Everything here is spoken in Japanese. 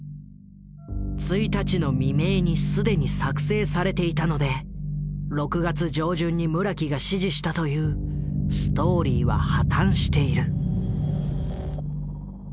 １日の未明に既に作成されていたので６月上旬に村木が指示したというストーリーは破綻している。